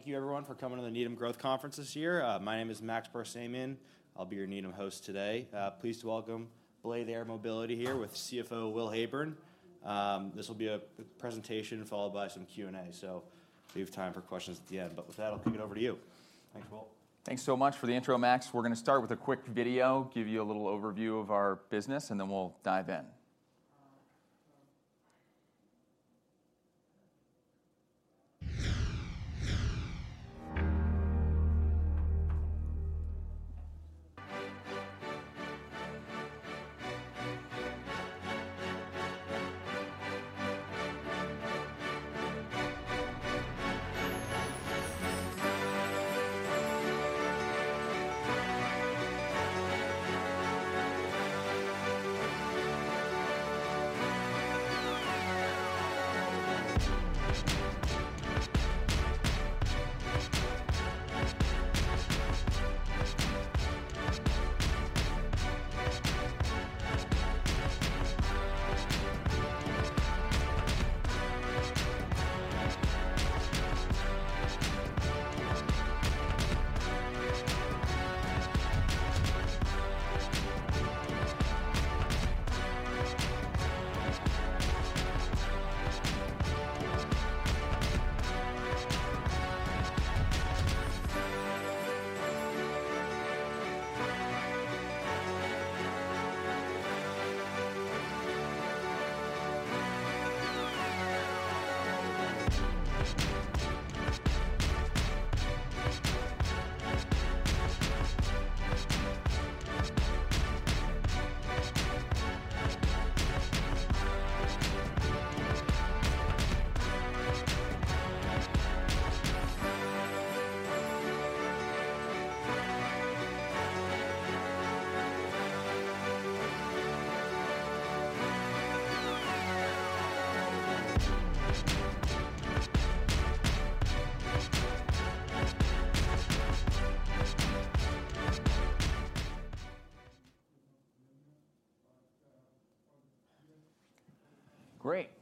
Thank you everyone for coming to the Needham Growth Conference this year. My name is Max Barsamian. I'll be your Needham host today. Please welcome Blade Air Mobility here with CFO Will Heyburn. This will be a presentation followed by some Q&A, so leave time for questions at the end. But with that, I'll kick it over to you. Thanks, Will. Thanks so much for the intro, Max. We're gonna start with a quick video, give you a little overview of our business, and then we'll dive in.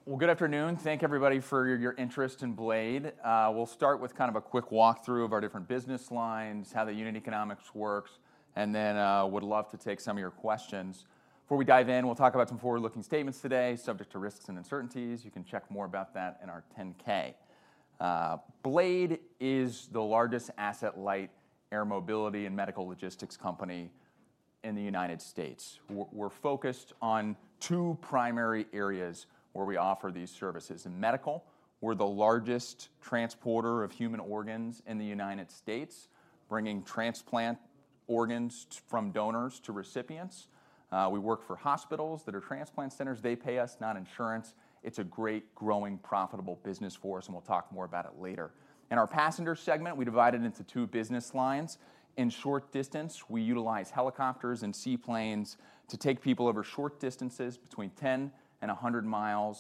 Great! Well, good afternoon. Thank everybody for your, your interest in Blade. We'll start with kind of a quick walkthrough of our different business lines, how the unit economics works, and then would love to take some of your questions. Before we dive in, we'll talk about some forward-looking statements today, subject to risks and uncertainties. You can check more about that in our 10-K. Blade is the largest asset-light air mobility and medical logistics company in the United States. We're, we're focused on two primary areas where we offer these services. In medical, we're the largest transporter of human organs in the United States, bringing transplant organs from donors to recipients. We work for hospitals that are transplant centers. They pay us, not insurance. It's a great, growing, profitable business for us, and we'll talk more about it later. In our passenger segment, we divide it into two business lines. In short distance, we utilize helicopters and seaplanes to take people over short distances between 10 mi and 100 mi,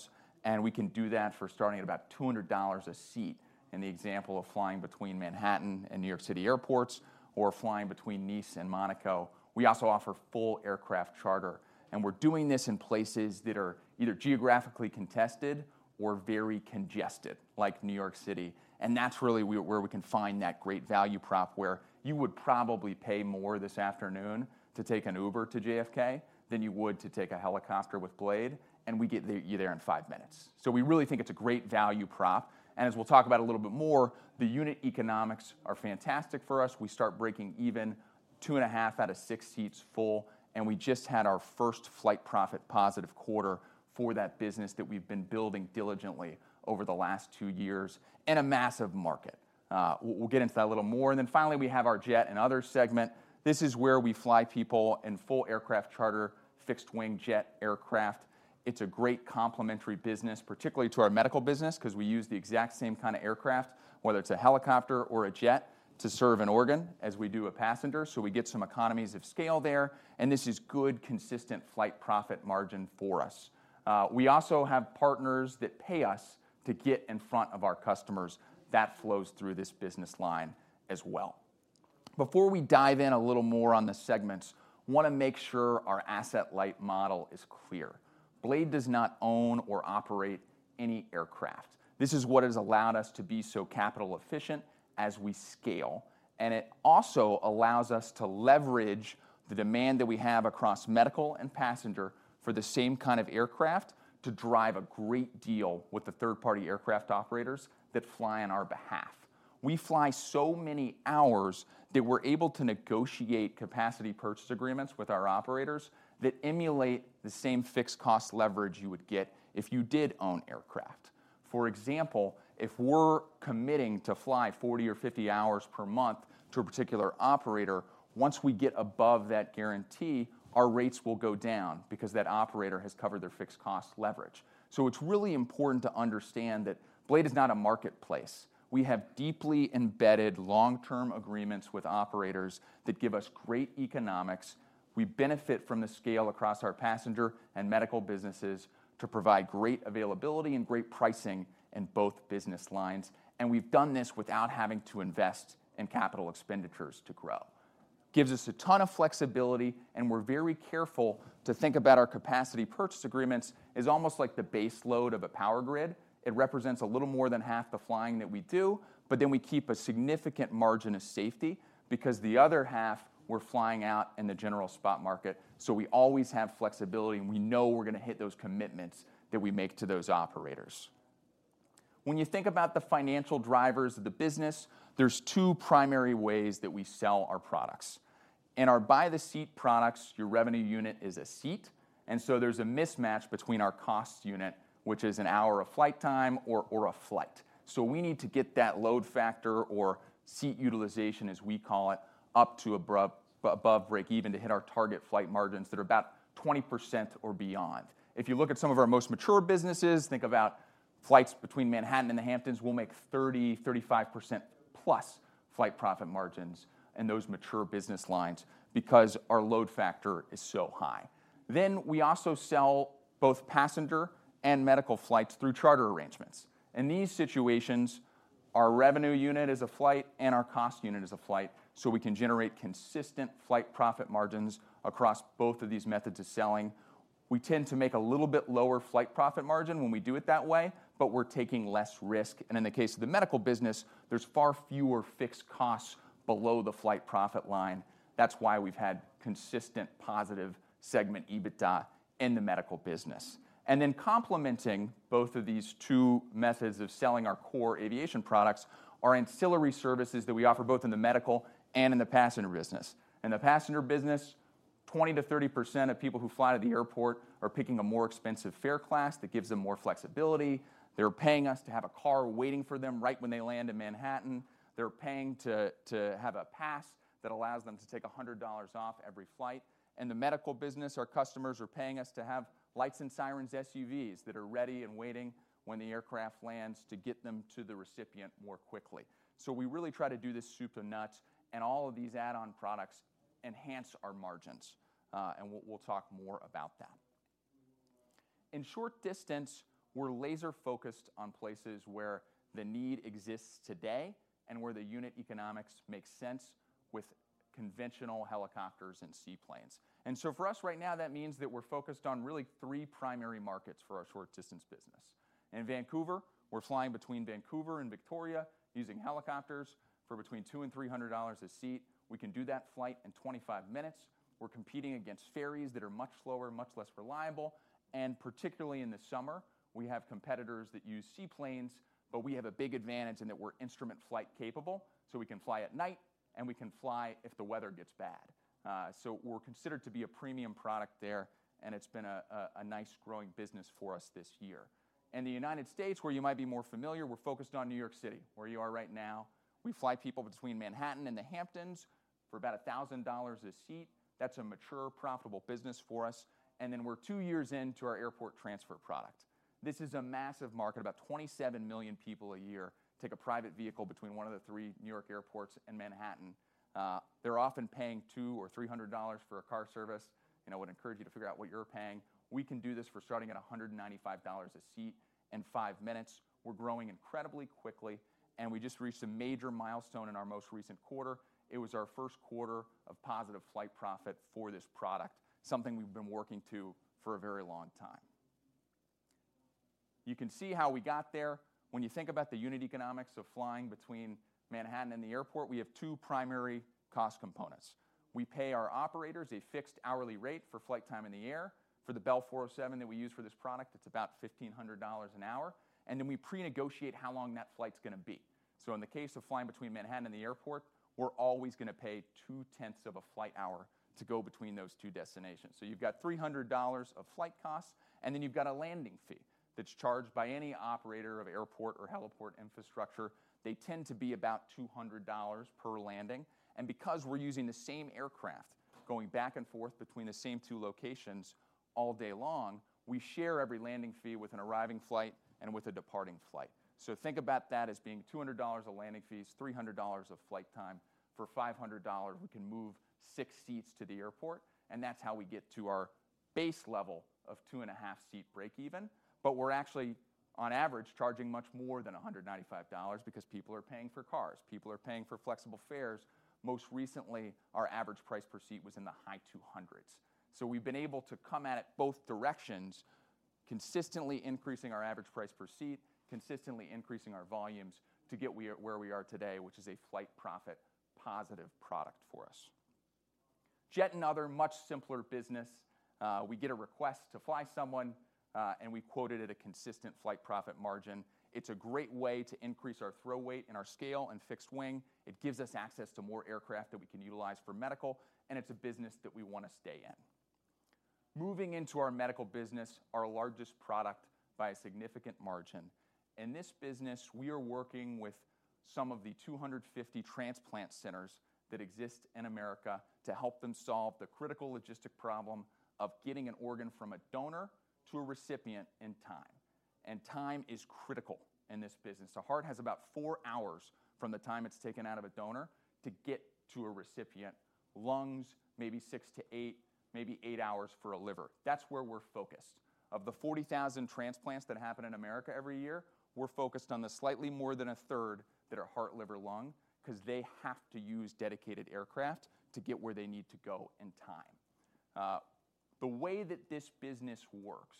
and we can do that for starting at about $20 a seat, in the example of flying between Manhattan and New York City airports or flying between Nice and Monaco. We also offer full aircraft charter, and we're doing this in places that are either geographically contested or very congested, like New York City. That's really where we can find that great value prop, where you would probably pay more this afternoon to take an Uber to JFK than you would to take a helicopter with Blade, and we get you there in five minutes. So we really think it's a great value prop, and as we'll talk about a little bit more, the unit economics are fantastic for us. We start breaking even 2.5 out of six seats full, and we just had our first flight profit positive quarter for that business that we've been building diligently over the last two years, in a massive market. We'll get into that a little more. Then finally, we have our jet and other segment. This is where we fly people in full aircraft charter, fixed-wing jet aircraft. It's a great complementary business, particularly to our medical business, 'cause we use the exact same kind of aircraft, whether it's a helicopter or a jet, to serve an organ as we do a passenger, so we get some economies of scale there, and this is good, consistent flight profit margin for us. We also have partners that pay us to get in front of our customers. That flows through this business line as well. Before we dive in a little more on the segments, wanna make sure our asset-light model is clear. Trinity Air Medical does not own or operate any aircraft. This is what has allowed us to be so capital efficient as we scale, and it also allows us to leverage the demand that we have across medical and passenger for the same kind of aircraft to drive a great deal with the third-party aircraft operators that fly on our behalf. We fly so many hours that we're able to negotiate capacity purchase agreements with our operators that emulate the same fixed cost leverage you would get if you did own aircraft. For example, if we're committing to fly 40 or 50 hours per month to a particular operator, once we get above that guarantee, our rates will go down because that operator has covered their fixed cost leverage. So it's really important to understand that Blade is not a marketplace. We have deeply embedded long-term agreements with operators that give us great economics. We benefit from the scale across our passenger and medical businesses to provide great availability and great pricing in both business lines, and we've done this without having to invest in capital expenditures to grow.... It gives us a ton of flexibility, and we're very careful to think about our capacity purchase agreements as almost like the base load of a power grid. It represents a little more than half the flying that we do, but then we keep a significant margin of safety because the other half we're flying out in the general spot market. So we always have flexibility, and we know we're gonna hit those commitments that we make to those operators. When you think about the financial drivers of the business, there's two primary ways that we sell our products. In our buy-the-seat products, your revenue unit is a seat, and so there's a mismatch between our cost unit, which is an hour of flight time or a flight. So we need to get that load factor or seat utilization, as we call it, up to above break even to hit our target flight margins that are about 20% or beyond. If you look at some of our most mature businesses, think about flights between Manhattan and the Hamptons, we'll make 30%-35% plus flight profit margins in those mature business lines because our load factor is so high. Then, we also sell both passenger and medical flights through charter arrangements. In these situations, our revenue unit is a flight, and our cost unit is a flight, so we can generate consistent flight profit margins across both of these methods of selling. We tend to make a little bit lower flight profit margin when we do it that way, but we're taking less risk, and in the case of the medical business, there's far fewer fixed costs below the flight profit line. That's why we've had consistent positive segment EBITDA in the medical business. And then complementing both of these two methods of selling our core aviation products are ancillary services that we offer both in the medical and in the passenger business. In the passenger business, 20%-30% of people who fly to the airport are picking a more expensive fare class that gives them more flexibility. They're paying us to have a car waiting for them right when they land in Manhattan. They're paying to have a pass that allows them to take $100 off every flight. In the medical business, our customers are paying us to have lights and sirens, SUVs that are ready and waiting when the aircraft lands to get them to the recipient more quickly. So we really try to do this soup to nuts, and all of these add-on products enhance our margins, and we'll talk more about that. In short distance, we're laser focused on places where the need exists today and where the unit economics makes sense with conventional helicopters and seaplanes. So for us right now, that means that we're focused on really three primary markets for our short distance business. In Vancouver, we're flying between Vancouver and Victoria, using helicopters for between $200-$300 a seat. We can do that flight in 25 minutes. We're competing against ferries that are much slower, much less reliable, and particularly in the summer, we have competitors that use seaplanes, but we have a big advantage in that we're instrument flight capable, so we can fly at night, and we can fly if the weather gets bad. So we're considered to be a premium product there, and it's been a nice growing business for us this year. In the United States, where you might be more familiar, we're focused on New York City, where you are right now. We fly people between Manhattan and the Hamptons for about $1,000 a seat. That's a mature, profitable business for us, and then we're two years into our airport transfer product. This is a massive market. About 27 million people a year take a private vehicle between one of the three New York airports and Manhattan. They're often paying $200-$300 for a car service, and I would encourage you to figure out what you're paying. We can do this for starting at $195 a seat and five minutes. We're growing incredibly quickly, and we just reached a major milestone in our most recent quarter. It was our first quarter of positive flight profit for this product, something we've been working to for a very long time. You can see how we got there. When you think about the unit economics of flying between Manhattan and the airport, we have two primary cost components. We pay our operators a fixed hourly rate for flight time in the air. For the Bell 407 that we use for this product, it's about $1,500 an hour, and then we pre-negotiate how long that flight's gonna be. So in the case of flying between Manhattan and the airport, we're always gonna pay 0.2 of a flight hour to go between those two destinations. So you've got $300 of flight costs, and then you've got a landing fee that's charged by any operator of airport or heliport infrastructure. They tend to be about $200 per landing, and because we're using the same aircraft going back and forth between the same two locations all day long, we share every landing fee with an arriving flight and with a departing flight. So think about that as being $200 of landing fees, $300 of flight time. For $500, we can move six seats to the airport, and that's how we get to our base level of 2.5 seat break even. But we're actually, on average, charging much more than $195 because people are paying for cars. People are paying for flexible fares. Most recently, our average price per seat was in the high $200s. So we've been able to come at it both directions, consistently increasing our average price per seat, consistently increasing our volumes to get where we are today, which is a flight profit positive product for us. Jet and other much simpler business. We get a request to fly someone, and we quote it at a consistent flight profit margin. It's a great way to increase our throw weight and our scale and fixed wing. It gives us access to more aircraft that we can utilize for medical, and it's a business that we wanna stay in. Moving into our medical business, our largest product by a significant margin. In this business, we are working with some of the 250 transplant centers that exist in America to help them solve the critical logistics problem of getting an organ from a donor to a recipient in time, and time is critical in this business. The heart has about four hours from the time it's taken out of a donor to get to a recipient. Lungs, maybe six-eight, maybe eight hours for a liver. That's where we're focused. Of the 40,000 transplants that happen in America every year, we're focused on the slightly more than a third that are heart, liver, lung because they have to use dedicated aircraft to get where they need to go in time. The way that this business works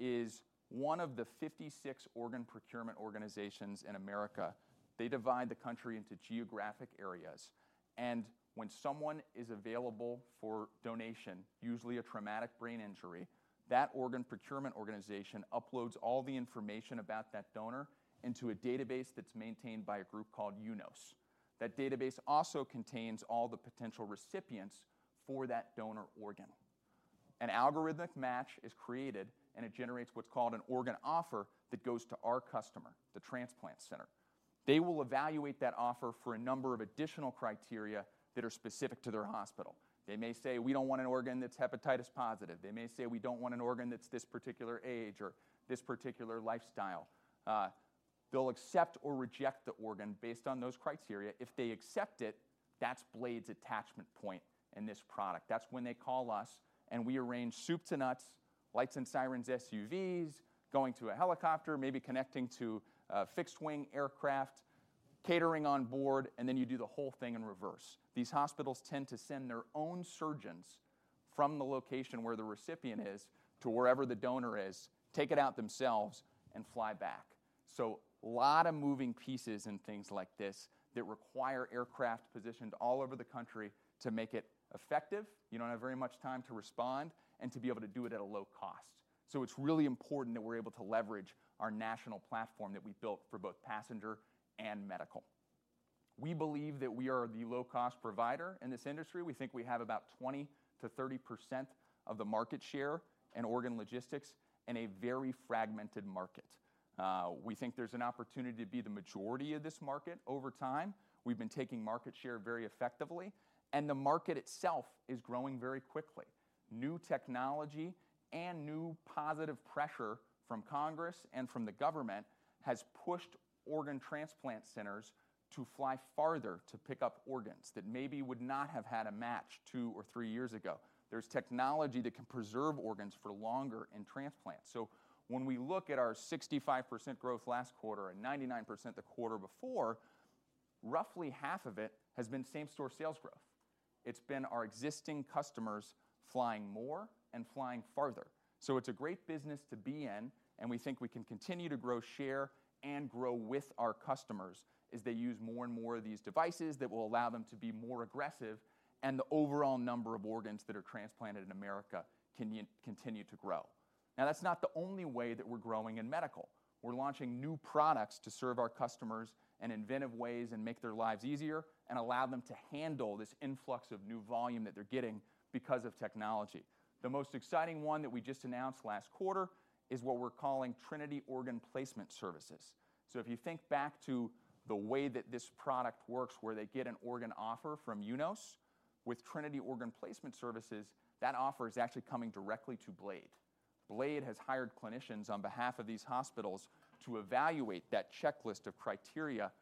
is one of the 56 organ procurement organizations in America, they divide the country into geographic areas, and when someone is available for donation, usually a traumatic brain injury, that organ procurement organization uploads all the information about that donor into a database that's maintained by a group called UNOS. That database also contains all the potential recipients for that donor organ. An algorithmic match is created, and it generates what's called an organ offer that goes to our customer, the transplant center. They will evaluate that offer for a number of additional criteria that are specific to their hospital. They may say, "We don't want an organ that's hepatitis positive." They may say, "We don't want an organ that's this particular age or this particular lifestyle." They'll accept or reject the organ based on those criteria. If they accept it, that's Blade's attachment point in this product. That's when they call us, and we arrange soup to nuts, lights and sirens, SUVs, going to a helicopter, maybe connecting to a fixed-wing aircraft, catering on board, and then you do the whole thing in reverse. These hospitals tend to send their own surgeons from the location where the recipient is to wherever the donor is, take it out themselves, and fly back. So a lot of moving pieces and things like this that require aircraft positioned all over the country to make it effective, you don't have very much time to respond, and to be able to do it at a low cost. So it's really important that we're able to leverage our national platform that we built for both passenger and medical. We believe that we are the low-cost provider in this industry. We think we have about 20%-30% of the market share in organ logistics in a very fragmented market. We think there's an opportunity to be the majority of this market over time. We've been taking market share very effectively, and the market itself is growing very quickly. New technology and new positive pressure from Congress and from the government has pushed organ transplant centers to fly farther to pick up organs that maybe would not have had a match two or three years ago. There's technology that can preserve organs for longer in transplant. So when we look at our 65% growth last quarter and 99% the quarter before, roughly half of it has been same-store sales growth. It's been our existing customers flying more and flying farther. So it's a great business to be in, and we think we can continue to grow share and grow with our customers as they use more and more of these devices that will allow them to be more aggressive, and the overall number of organs that are transplanted in America can continue to grow. Now, that's not the only way that we're growing in medical. We're launching new products to serve our customers in inventive ways and make their lives easier, and allow them to handle this influx of new volume that they're getting because of technology. The most exciting one that we just announced last quarter is what we're calling Trinity Organ Placement Services. So if you think back to the way that this product works, where they get an organ offer from UNOS, with Trinity Organ Placement Services, that offer is actually coming directly to Blade. Medical has hired clinicians on behalf of these hospitals to evaluate that checklist of criteria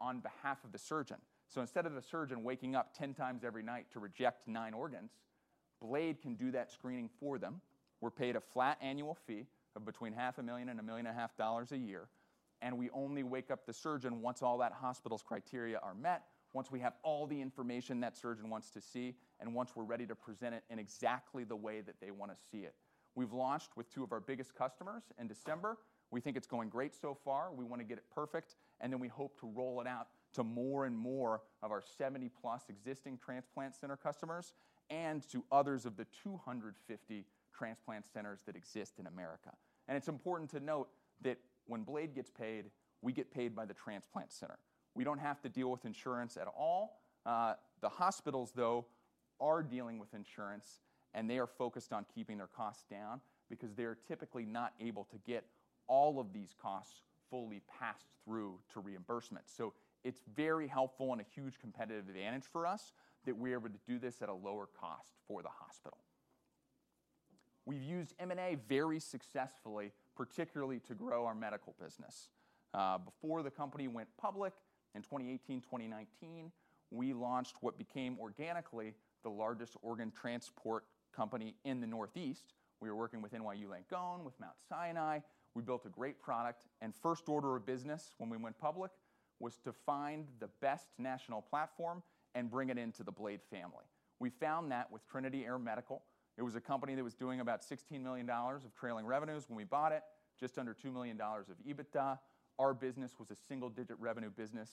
on behalf of the surgeon. So instead of the surgeon waking up 10 times every night to reject nine organs, Strata Critical Medical can do that screening for them. We're paid a flat annual fee of between $500,000-$1.5 million a year, and we only wake up the surgeon once all that hospital's criteria are met, once we have all the information that surgeon wants to see, and once we're ready to present it in exactly the way that they want to see it. We've launched with two of our biggest customers in December. We think it's going great so far. We want to get it perfect, and then we hope to roll it out to more and more of our 70+ existing transplant center customers and to others of the 250 transplant centers that exist in America. It's important to note that when Strata Critical Medical gets paid, we get paid by the transplant center. We don't have to deal with insurance at all. The hospitals, though, are dealing with insurance, and they are focused on keeping their costs down because they are typically not able to get all of these costs fully passed through to reimbursement. It's very helpful and a huge competitive advantage for us that we're able to do this at a lower cost for the hospital. We've used M&A very successfully, particularly to grow our medical business. Before the company went public in 2018, 2019, we launched what became organically the largest organ transport company in the Northeast. We were working with NYU Langone, with Mount Sinai. We built a great product, and first order of business when we went public, was to find the best national platform and bring it into the Blade family. We found that with Trinity Air Medical. It was a company that was doing about $16 million of trailing revenues when we bought it, just under $2 million of EBITDA. Our business was a single-digit revenue business.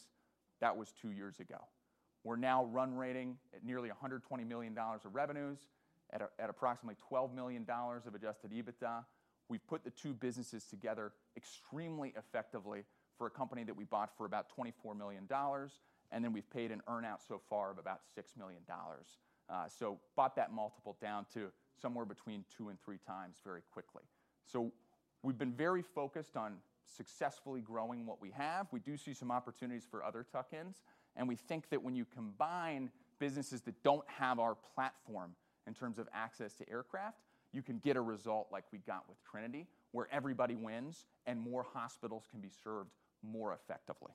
That was two years ago. We're now run rating at nearly $120 million of revenues at approximately $12 million of adjusted EBITDA. We've put the two businesses together extremely effectively for a company that we bought for about $24 million, and then we've paid an earn-out so far of about $6 million. So bought that multiple down to somewhere between 2x-3x very quickly. So we've been very focused on successfully growing what we have. We do see some opportunities for other tuck-ins, and we think that when you combine businesses that don't have our platform in terms of access to aircraft, you can get a result like we got with Trinity, where everybody wins and more hospitals can be served more effectively.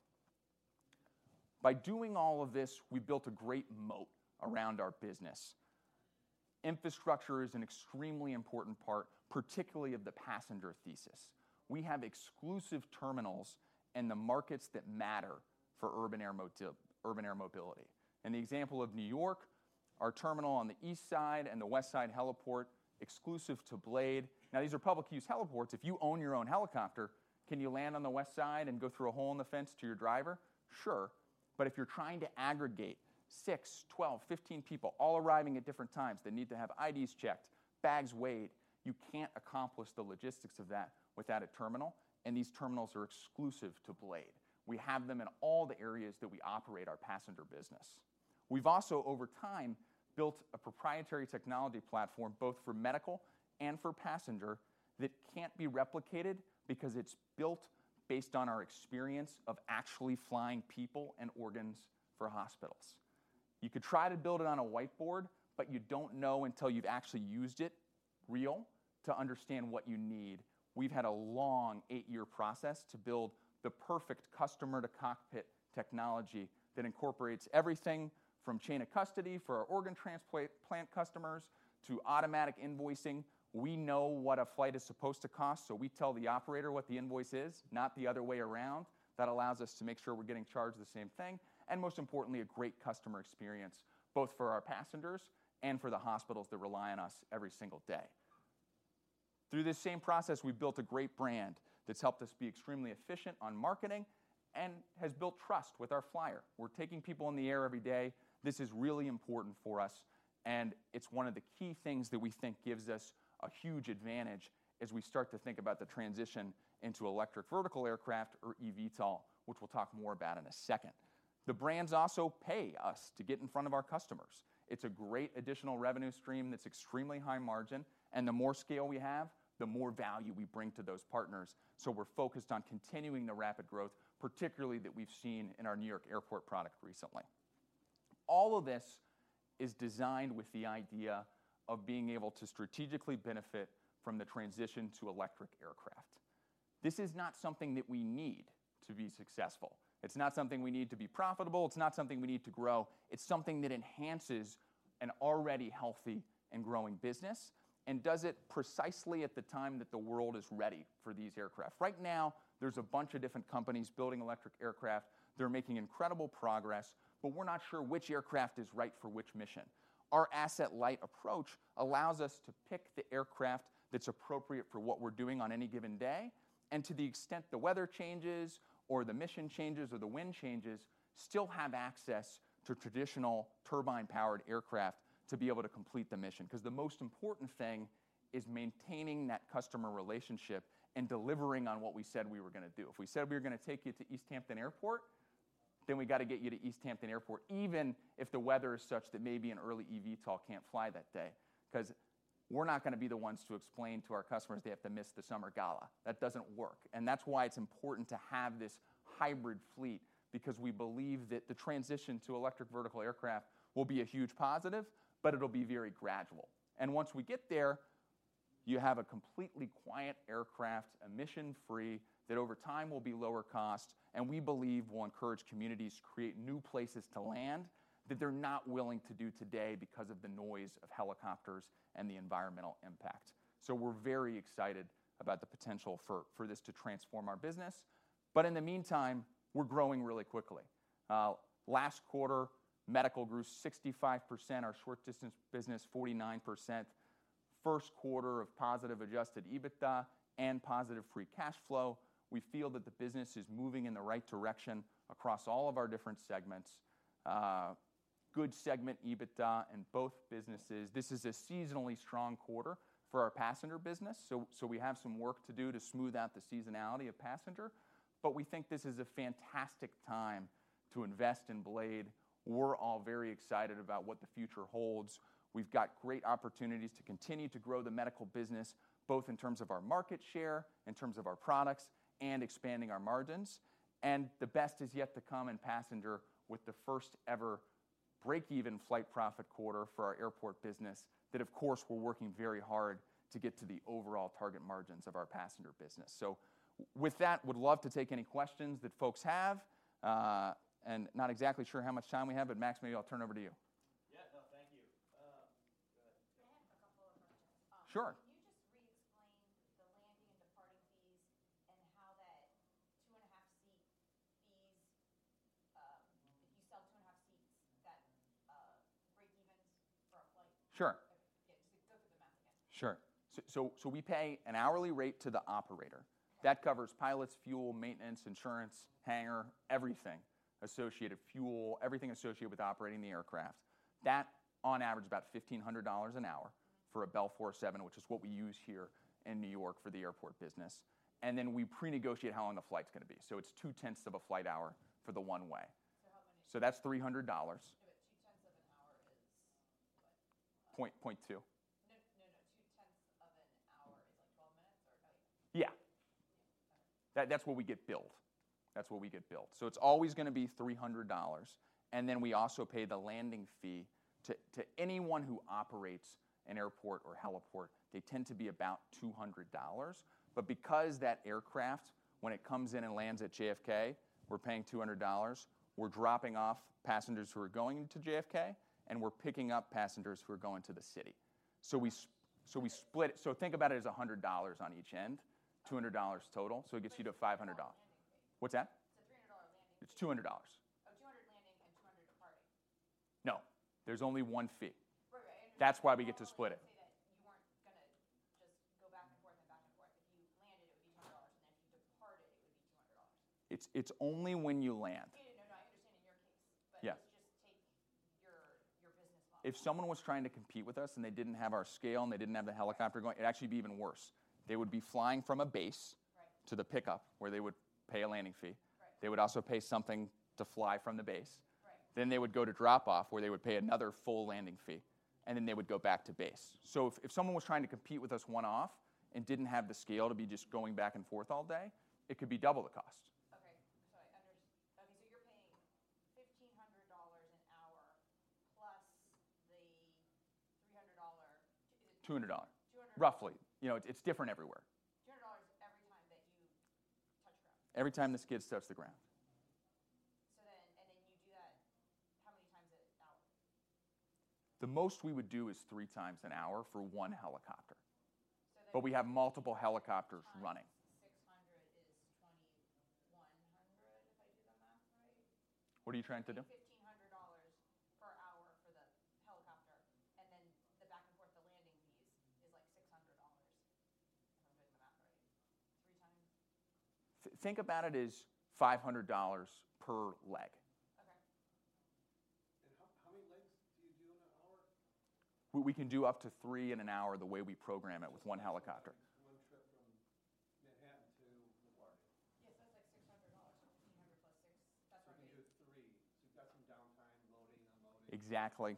By doing all of this, we built a great moat around our business. Infrastructure is an extremely important part, particularly of the passenger thesis. We have exclusive terminals in the markets that matter for urban air mobility. In the example of New York, our terminal on the East Side and the West Side heliport, exclusive to Blade. Now, these are public use heliports. If you own your own helicopter, can you land on the West Side and go through a hole in the fence to your driver? Sure, but if you're trying to aggregate six, 12, 15 people all arriving at different times, that need to have IDs checked, bags weighed, you can't accomplish the logistics of that without a terminal, and these terminals are exclusive to Blade. We have them in all the areas that we operate our passenger business. We've also, over time, built a proprietary technology platform, both for medical and for passenger, that can't be replicated because it's built based on our experience of actually flying people and organs for hospitals. You could try to build it on a whiteboard, but you don't know until you've actually used it real to understand what you need. We've had a long eight-year process to build the perfect customer-to-cockpit technology that incorporates everything from chain of custody for our organ transplant customers to automatic invoicing. We know what a flight is supposed to cost, so we tell the operator what the invoice is, not the other way around. That allows us to make sure we're getting charged the same thing, and most importantly, a great customer experience, both for our passengers and for the hospitals that rely on us every single day. Through this same process, we've built a great brand that's helped us be extremely efficient on marketing and has built trust with our flyer. We're taking people in the air every day. This is really important for us, and it's one of the key things that we think gives us a huge advantage as we start to think about the transition into electric vertical aircraft or EVTOL, which we'll talk more about in a second. The brands also pay us to get in front of our customers. It's a great additional revenue stream that's extremely high margin, and the more scale we have, the more value we bring to those partners. So we're focused on continuing the rapid growth, particularly that we've seen in our New York airport product recently. All of this is designed with the idea of being able to strategically benefit from the transition to electric aircraft. This is not something that we need to be successful. It's not something we need to be profitable. It's not something we need to grow. It's something that enhances an already healthy and growing business, and does it precisely at the time that the world is ready for these aircraft. Right now, there's a bunch of different companies building electric aircraft. They're making incredible progress, but we're not sure which aircraft is right for which mission. Our asset-light approach allows us to pick the aircraft that's appropriate for what we're doing on any given day, and to the extent the weather changes or the mission changes or the wind changes, still have access to traditional turbine-powered aircraft to be able to complete the mission. Because the most important thing is maintaining that customer relationship and delivering on what we said we were going to do. If we said we were going to take you to East Hampton Airport, then we got to get you to East Hampton Airport, even if the weather is such that maybe an early EVTOL can't fly that day, because we're not going to be the ones to explain to our customers they have to miss the summer gala. That doesn't work, and that's why it's important to have this hybrid fleet, because we believe that the transition to electric vertical aircraft will be a huge positive, but it'll be very gradual. Once we get there, you have a completely quiet aircraft, emission-free, that over time will be lower cost, and we believe will encourage communities to create new places to land that they're not willing to do today because of the noise of helicopters and the environmental impact. So we're very excited about the potential for this to transform our business. But in the meantime, we're growing really quickly. Last quarter, medical grew 65%, our short distance business 49%. First quarter of positive Adjusted EBITDA and positive free cash flow. We feel that the business is moving in the right direction across all of our different segments. Good segment EBITDA in both businesses. This is a seasonally strong quarter for our passenger business, so we have some work to do to smooth out the seasonality of passenger, but we think this is a fantastic time to invest in Blade. We're all very excited about what the future holds. We've got great opportunities to continue to grow the medical business, both in terms of our market share, in terms of our products, and expanding our margins. The best is yet to come in passenger, with the first ever break-even flight profit quarter for our airport business. That, of course, we're working very hard to get to the overall target margins of our passenger business. With that, would love to take any questions that folks have, and not exactly sure how much time we have, but Max, maybe I'll turn it over to you. Yeah. No, thank you. Go ahead. I have a couple of questions. Sure. Can you just re-explain the landing and departing fees and how that 2.5 seat fees? If you sell 2.5 seats, that break even for a flight? Sure. Yeah, just go through the math again. Sure. So we pay an hourly rate to the operator. That covers pilots, fuel, maintenance, insurance, hangar, everything associated with operating the aircraft. That, on average, about $1,500 an hour for a Bell 407, which is what we use here in New York for the airport business. Then we pre-negotiate how long the flight's gonna be. So it's 0.2 of a flight hour for the one-way. So how many- That's $300. 0.2 of an hour is what? 0.2. No, no, no. 0.2 of an hour is, like, 12 minutes or like- Yeah. Okay. That, that's what we get billed. That's what we get billed. So it's always gonna be $300, and then we also pay the landing fee to, to anyone who operates an airport or heliport. They tend to be about $200. But because that aircraft, when it comes in and lands at JFK, we're paying $200, we're dropping off passengers who are going to JFK, and we're picking up passengers who are going to the city.... So we split it. So think about it as $100 on each end, $200 total. So it gets you to $500.... What's that? $300 landing fee. It's $200. Oh, $200 landing and $200 departing. No, there's only one fee. Right, right. That's why we get to split it. Say that you weren't gonna just go back and forth and back and forth. If you landed, it would be $200, and then if you departed, it would be $200. It's only when you land. Yeah. No, no, I understand in your case- Yeah. Let's just take your, your business model. If someone was trying to compete with us, and they didn't have our scale, and they didn't have the helicopter going, it'd actually be even worse. They would be flying from a base- Right... to the pickup, where they would pay a landing fee. Right. They would also pay something to fly from the base. Right. Then they would go to drop off, where they would pay another full landing fee, and then they would go back to base. So if someone was trying to compete with us one-off and didn't have the scale to be just going back and forth all day, it could be double the cost. Okay. So okay, so you're paying $1,500 an hour plus the $300, is it? $200. $200. Roughly. You know, it's different everywhere. $200 every time that you touch ground? Every time the skids touch the ground. So then you do that how many times an hour? The most we would do is three times an hour for one helicopter. So then- But we have multiple helicopters running. Times $600 is $2,100, if I did the math right? What are you trying to do? $1,500 per hour for the helicopter, and then the back and forth, the landing fees is, like, $600, if I'm doing the math right, three times. Think about it as $500 per leg. Okay. How many legs do you do in an hour? We can do up to three in an hour, the way we program it with one helicopter. One trip from Manhattan to LaGuardia. Yeah, so that's like $600, $1,500 + $600. That's what I mean. So you do three, so you've got some downtime, loading, unloading. Exactly.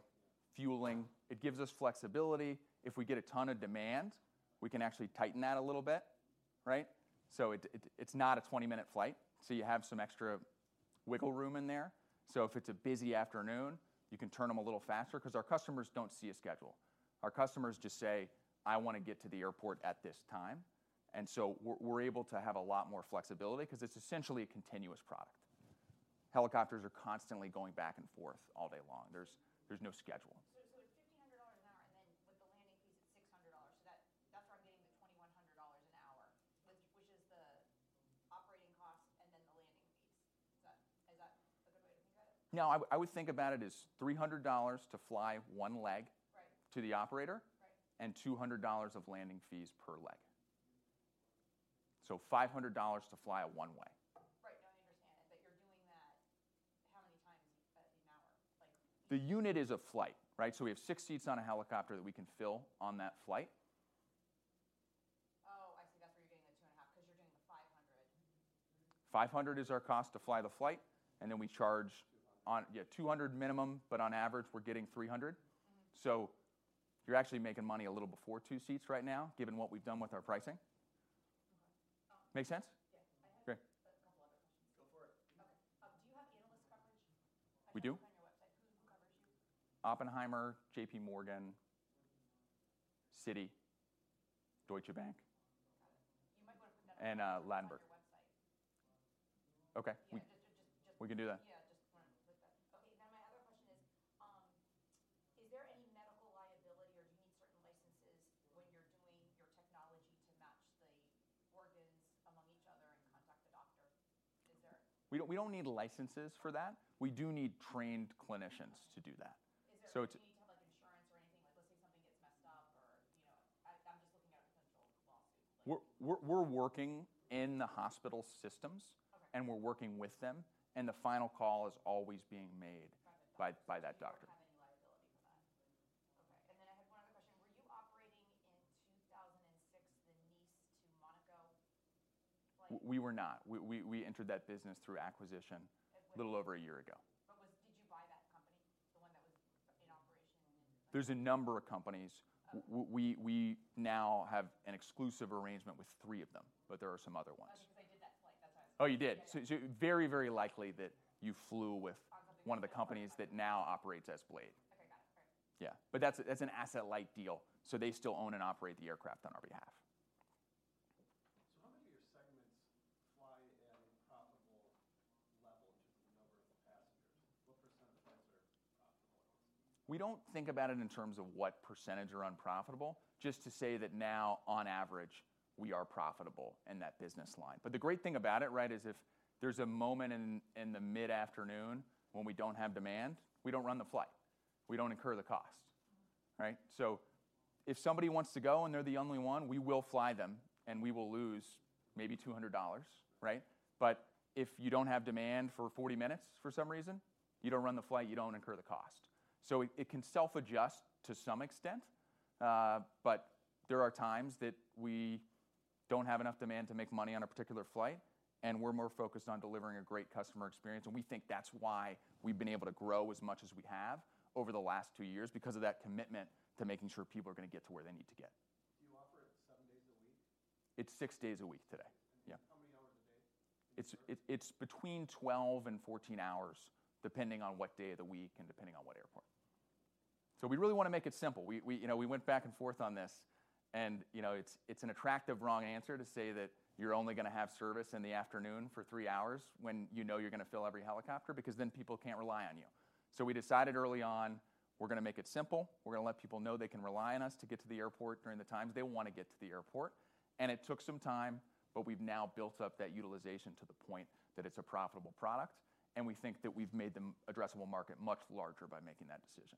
Fueling. It gives us flexibility. If we get a ton of demand, we can actually tighten that a little bit, right? So it's not a 20-minute flight, so you have some extra wiggle room in there. So if it's a busy afternoon, you can turn them a little faster 'cause our customers don't see a schedule. Our customers just say, "I want to get to the airport at this time." And so we're able to have a lot more flexibility 'cause it's essentially a continuous product. Helicopters are constantly going back and forth all day long. There's no schedule. So it's $1,500 an hour, and then with the landing fees, it's $600. So that's where I'm getting the $2,100 an hour, which is the operating cost and then the landing fees. Is that a good way to think of it? No, I would think about it as $300 to fly one leg- Right... to the operator. Right. $200 of landing fees per leg. $500 to fly a one-way. Right. No, I understand that. But you're doing that how many times in an hour? Like- The unit is a flight, right? So we have six seats on a helicopter that we can fill on that flight. Oh, I see. That's where you're getting the $2.5, 'cause you're doing the $500. $500 is our cost to fly the flight, and then we charge- Two hundred.... on, yeah, $200 minimum, but on average, we're getting $300. Mm. You're actually making money a little before two seats right now, given what we've done with our pricing. Okay. Make sense? Yeah. Okay. I have a couple other questions. Go for it. Okay. Do you have analyst coverage? We do. On your website? Who covers you? Oppenheimer, JPMorgan, Citi, Deutsche Bank. Got it. You might want to put that- And, Ladenburg... on your website. Okay. Yeah, just- We can do that. So you don't have any liability for that? Okay, and then I had one other question: Were you operating in 2006 the Nice to Monaco flight? We were not. We entered that business through acquisition. And when- - a little over a year ago. Did you buy that company, the one that was in operation in- There's a number of companies. Okay. We now have an exclusive arrangement with three of them, but there are some other ones. Oh, because I did that flight. That's why I was- Oh, you did? Yeah. So very likely that you flew with- On the-... one of the companies that now operates as Blade. Okay, got it. All right. Yeah. But that's an asset-light deal, so they still own and operate the aircraft on our behalf. How many of your segments fly at a profitable level to the number of passengers? What percentage of those are profitable? We don't think about it in terms of what percentage are unprofitable, just to say that now, on average, we are profitable in that business line. But the great thing about it, right, is if there's a moment in, in the mid-afternoon when we don't have demand, we don't run the flight. We don't incur the cost, right? So if somebody wants to go and they're the only one, we will fly them, and we will lose maybe $200, right? But if you don't have demand for 40 minutes for some reason, you don't run the flight, you don't incur the cost. It can self-adjust to some extent, but there are times that we don't have enough demand to make money on a particular flight, and we're more focused on delivering a great customer experience, and we think that's why we've been able to grow as much as we have over the last two years, because of that commitment to making sure people are gonna get to where they need to get. Do you offer it seven days a week? It's six days a week today. Yeah. How many hours a day? It's between 12 and 14 hours, depending on what day of the week and depending on what airport. So we really wanna make it simple. You know, we went back and forth on this. You know, it's an attractive wrong answer to say that you're only gonna have service in the afternoon for three hours when you know you're gonna fill every helicopter, because then people can't rely on you. So we decided early on, we're gonna make it simple. We're gonna let people know they can rely on us to get to the airport during the times they wanna get to the airport. And it took some time, but we've now built up that utilization to the point that it's a profitable product, and we think that we've made the addressable market much larger by making that decision.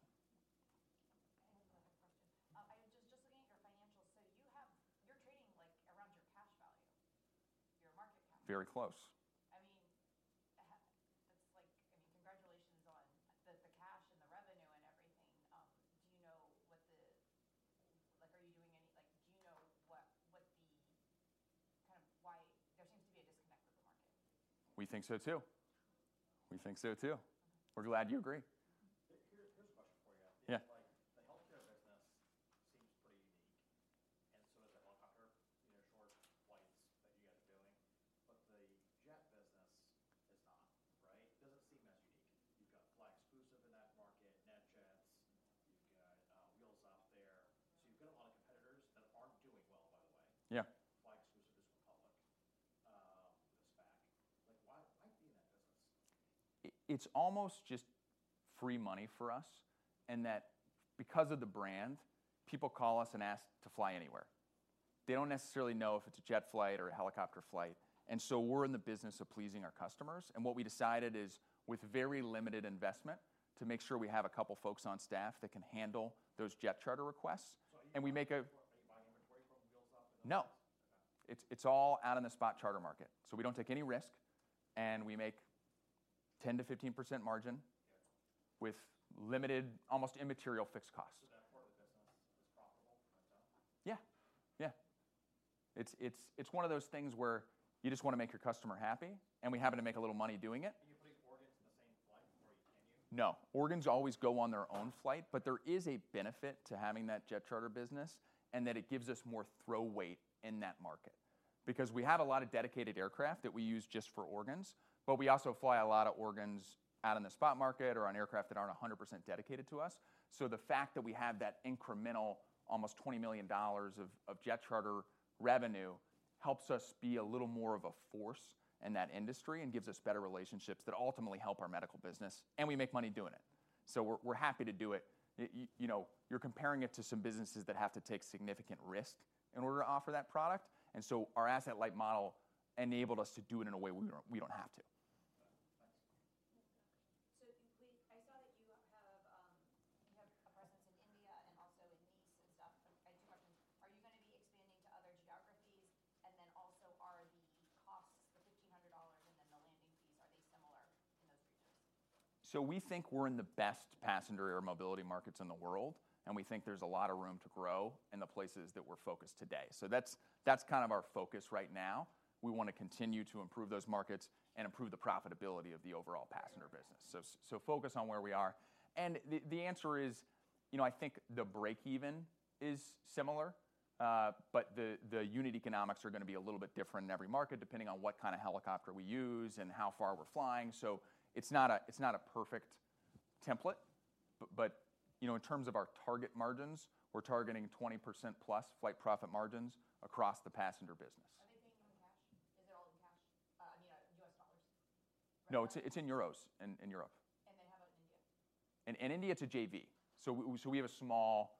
FlyExclusive just went public with SPAC. Like, why, why be in that business? It's almost just free money for us, and that because of the brand, people call us and ask to fly anywhere. They don't necessarily know if it's a jet flight or a helicopter flight, and so we're in the business of pleasing our customers. And what we decided is, with very limited investment, to make sure we have a couple folks on staff that can handle those jet charter requests, and we make a- Are you buying inventory from Wheels Up and- No. Okay. It's all out in the spot charter market. We don't take any risk, and we make 10%-15% margin- Yeah... with limited, almost immaterial fixed costs. So that part of the business is profitable for itself? Yeah. It's one of those things where you just wanna make your customer happy, and we happen to make a little money doing it. Can you place organs in the same flight, or can you? No. Organs always go on their own flight, but there is a benefit to having that jet charter business, and that it gives us more throw weight in that market. Because we have a lot of dedicated aircraft that we use just for organs, but we also fly a lot of organs out in the spot market or on aircraft that aren't 100% dedicated to us. So the fact that we have that incremental, almost $20 million of jet charter revenue, helps us be a little more of a force in that industry and gives us better relationships that ultimately help our medical business, and we make money doing it. So we're happy to do it. you know, you're comparing it to some businesses that have to take significant risk in order to offer that product, and so our Asset-light model enabled us to do it in a way we don't, we don't have to. Thanks. So, I saw that you have a presence in India and also in Nice and stuff. I have two questions: Are you gonna be expanding to other geographies? And then also, are the costs, the $1,500 and then the landing fees, are they similar in those regions? So we think we're in the best passenger air mobility markets in the world, and we think there's a lot of room to grow in the places that we're focused today. So that's kind of our focus right now. We wanna continue to improve those markets and improve the profitability of the overall passenger business. So focused on where we are. And the answer is, you know, I think the break-even is similar, but the unit economics are gonna be a little bit different in every market, depending on what kind of helicopter we use and how far we're flying. So it's not a perfect template, but, you know, in terms of our target margins, we're targeting 20%+ flight profit margins across the passenger business. Are they paying you in cash? Is it all in cash, I mean, U.S. dollars? No, it's in euros, in Europe. How about India? In India, it's a JV. So we have a small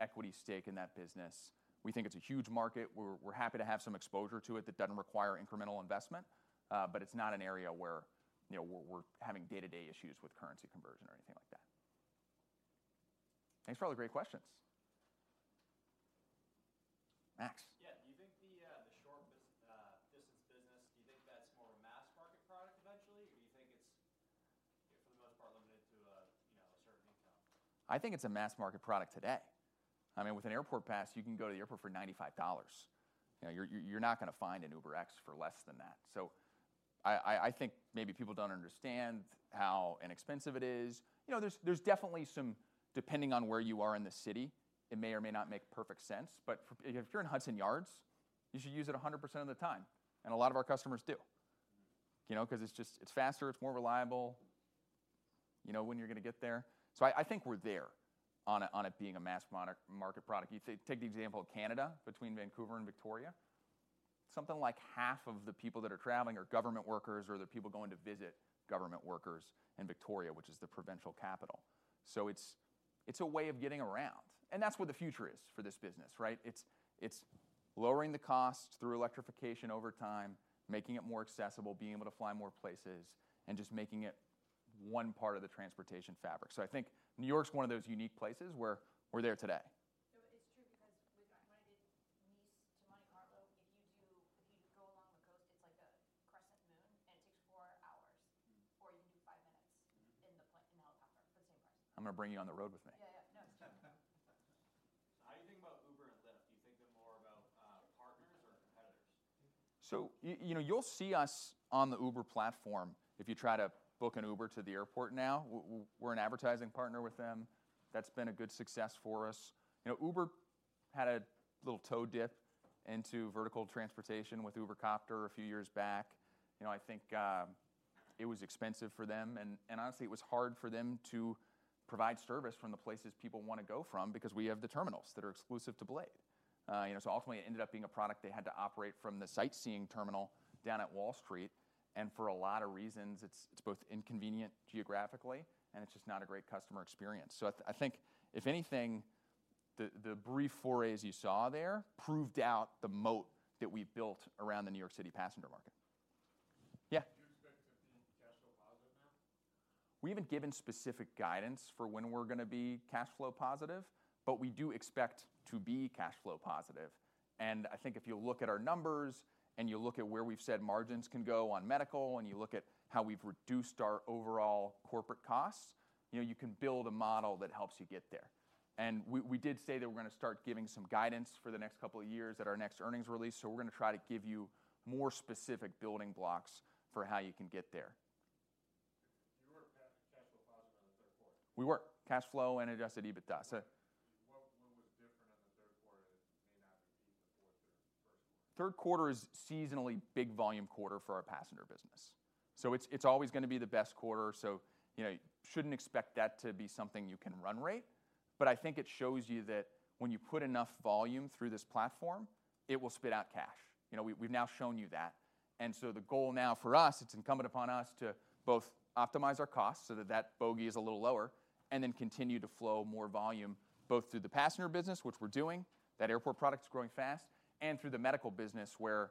equity stake in that business. We think it's a huge market. We're happy to have some exposure to it that doesn't require incremental investment, but it's not an area where, you know, we're having day-to-day issues with currency conversion or anything like that. Thanks for all the great questions. Max? Yeah. Do you think the short distance business, do you think that's more a mass market product eventually, or do you think it's, for the most part, limited to a, you know, a certain income? I think it's a mass market product today. I mean, with an airport pass, you can go to the airport for $95. You know, you're not gonna find an UberX for less than that. So I think maybe people don't understand how inexpensive it is. You know, there's definitely some... Depending on where you are in the city, it may or may not make perfect sense. But if you're in Hudson Yards, you should use it 100% of the time, and a lot of our customers do. You know, 'cause it's just, it's faster, it's more reliable. You know when you're gonna get there. So I think we're there on it, on it being a mass market product. You take the example of Canada, between Vancouver and Victoria. Something like half of the people that are traveling are government workers or they're people going to visit government workers in Victoria, which is the provincial capital. So it's, it's a way of getting around, and that's what the future is for this business, right? It's, it's lowering the cost through electrification over time, making it more accessible, being able to fly more places, and just making it one part of the transportation fabric. So I think New York's one of those unique places where we're there today. So it's true because we've. When I did Nice to Monte Carlo, if you go along the coast, it's like a crescent moon, and it takes four hours, or you can do five minutes in the helicopter for the same price. I'm gonna bring you on the road with me. Yeah, yeah. No, it's true. How do you think about Uber and Lyft? Do you think they're more about, partners or competitors? So you know, you'll see us on the Uber platform if you try to book an Uber to the airport now. We're an advertising partner with them. That's been a good success for us. You know, Uber had a little toe dip into vertical transportation with Uber Copter a few years back. You know, I think it was expensive for them, and honestly, it was hard for them to provide service from the places people wanna go from because we have the terminals that are exclusive to Blade. You know, so ultimately it ended up being a product they had to operate from the sightseeing terminal down at Wall Street, and for a lot of reasons, it's both inconvenient geographically, and it's just not a great customer experience. So I think if anything, the brief forays you saw there proved out the moat that we've built around the New York City passenger market. Yeah? Do you expect to be cash flow positive now? We haven't given specific guidance for when we're gonna be cash flow positive, but we do expect to be cash flow positive. I think if you look at our numbers, and you look at where we've said margins can go on medical, and you look at how we've reduced our overall corporate costs, you know, you can build a model that helps you get there. We did say that we're gonna start giving some guidance for the next couple of years at our next earnings release, so we're gonna try to give you more specific building blocks for how you can get there. You were cash flow positive on the third quarter? We were. Cash flow and Adjusted EBITDA, so- What, what was different in the third quarter that may not repeat in the fourth or first quarter? Third quarter is seasonally big volume quarter for our passenger business, so it's always gonna be the best quarter. So, you know, you shouldn't expect that to be something you can run rate. But I think it shows you that when you put enough volume through this platform, it will spit out cash. You know, we've now shown you that. And so the goal now for us, it's incumbent upon us to both optimize our costs so that that bogey is a little lower and then continue to flow more volume, both through the passenger business, which we're doing, that airport product is growing fast, and through the medical business, where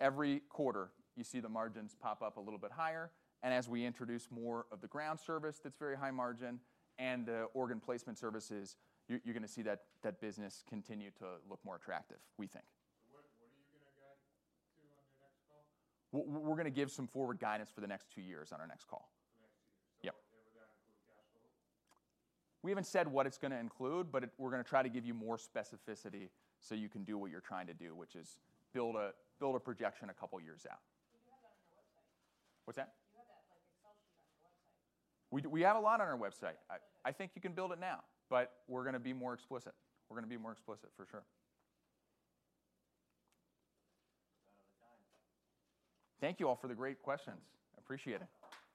every quarter you see the margins pop up a little bit higher. As we introduce more of the ground service, that's very high margin and organ placement services, you're, you're gonna see that, that business continue to look more attractive, we think. What, what are you gonna guide to on your next call? We're gonna give some forward guidance for the next two years on our next call. The next two years. Yep. Will that include cash flow? We haven't said what it's gonna include, but we're gonna try to give you more specificity so you can do what you're trying to do, which is build a, build a projection a couple of years out. You do have that on your website. What's that? You have that, like, Excel sheet on your website. We have a lot on our website. I think you can build it now, but we're gonna be more explicit. We're gonna be more explicit, for sure. Out of the time. Thank you all for the great questions. I appreciate it.